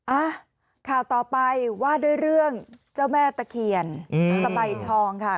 อ่ะข่าวต่อไปว่าด้วยเรื่องเจ้าแม่ตะเคียนสะใบทองค่ะ